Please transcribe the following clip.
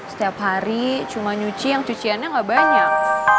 setiap hari cuma nyuci yang cuciannya nggak banyak